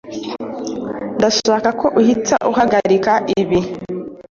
Ndashaka ko uhita uhagarika ibi.